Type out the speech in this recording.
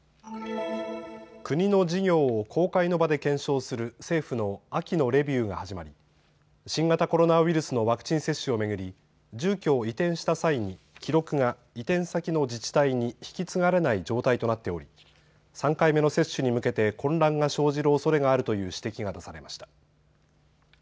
国の事業を公開の場で検証する政府の秋のレビューが始まり、新型コロナウイルスのワクチン接種を巡り、住居を移転した際に記録が移転先の自治体に引き継がれない状態となっており３回目の接種に向けて混乱が生じるおそれがあるという指摘が出されました。